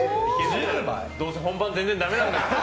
どうせ本番全然ダメなんだろ。